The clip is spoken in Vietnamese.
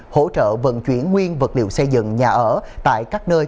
hỗ trợ vận chuyển nguyên vật liệu xây dựng nhà ở tại các nơi